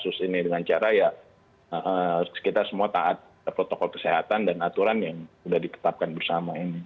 kasus ini dengan cara ya kita semua taat protokol kesehatan dan aturan yang sudah ditetapkan bersama ini